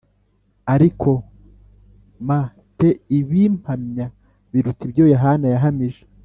Ariko m te ibimpamya biruta ibyo yohana yahamije